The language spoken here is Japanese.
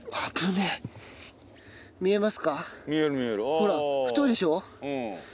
ほら太いでしょ？